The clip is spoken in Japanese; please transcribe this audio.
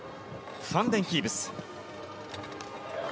ファンデン・キーブス。